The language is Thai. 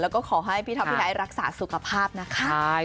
เราก็ขอให้พี่ทัพพี่ไทยรักษาสุขภาพนะครับ